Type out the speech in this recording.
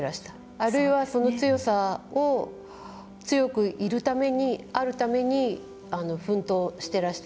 あるいは、その強さを強くいるためにあるために奮闘していらした。